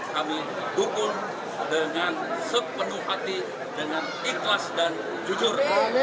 kami dukung dengan sepenuh hati dengan ikhlas dan jujur